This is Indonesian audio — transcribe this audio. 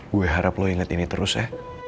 gue harap lo inget ini terus ya